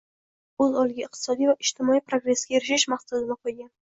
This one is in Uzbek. Davlat oʻz oldiga iqtisodiy va ijtimoiy progressga erishish maqsadini qoʻygan